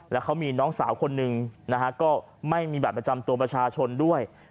แล้วเขามีน้องสาวคนหนึ่งนะฮะก็ไม่มีบัตรประจำตัวประชาชนด้วย